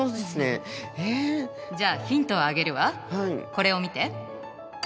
これを見て。